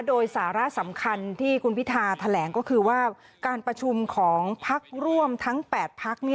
โดยสาระสำคัญที่คุณพิธาแถลงก็คือว่าการประชุมของพักร่วมทั้ง๘พัก